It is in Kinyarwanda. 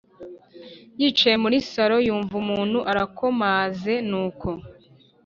yicaye muri sallon yumva umuntu arakomaze nuko